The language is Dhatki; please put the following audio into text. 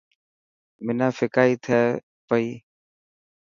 حنا ڦڪائي تي پئي.